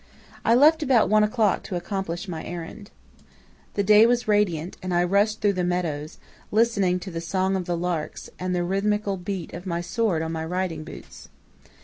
"I left about one o'clock to accomplish my errand. "The day was radiant, and I rushed through the meadows, listening to the song of the larks, and the rhythmical beat of my sword on my riding boots.